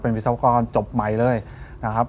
เป็นวิศวกรจบไม่เลยนะครับ